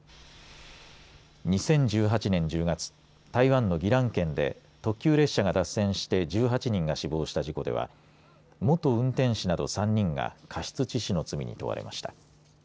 ２０１８年１０月台湾の宜蘭県で特急列車が脱線して１８人が死亡した事故では元運転士など３人が過失致死の罪に問われました。